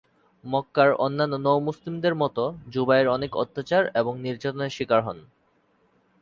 মক্কার অন্যান্য নও মুসলিমদের মত যুবাইর অনেক অত্যাচার ও নির্যাতনের শিকার হন।